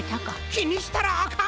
きにしたらあかん！